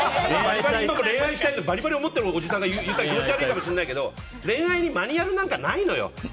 恋愛したいとバリバリ思ってるおじさんが言ってると気持ち悪いかもしれないけど昔から恋愛にマニュアルなんてないのよ！